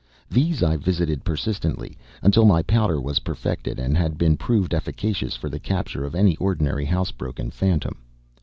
These I visited persistently, until my powder was perfected and had been proved efficacious for the capture of any ordinary house broken phantom.